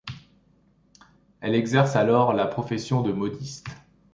Elle exerce alors la profession de modiste.